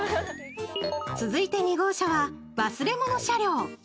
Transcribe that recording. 続いて２号車は忘れ物車両。